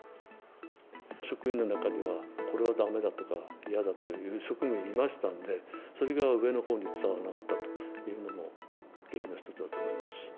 職員の中には、これはだめだとか、嫌だという職員もいましたんで、それが上のほうに伝わらなかったというのも、原因の一つだと思います。